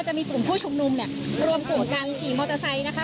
จะมีกลุ่มผู้ชุมนุมเนี่ยรวมกลุ่มกันขี่มอเตอร์ไซค์นะคะ